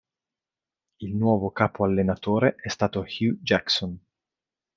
Il nuovo capo-allenatore è stato Hue Jackson.